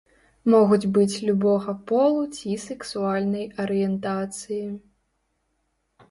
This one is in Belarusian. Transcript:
Могуць быць любога полу ці сексуальнай арыентацыі.